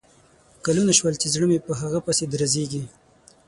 کلونه شول چې زړه مې په هغه پسې درزیږي